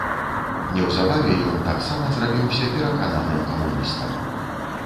Неўзабаве ён таксама зрабіўся перакананым камуністам.